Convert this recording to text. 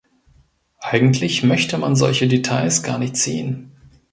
Eigentlich möchte man solche Details gar nicht sehen.